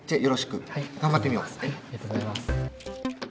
ありがとうございます。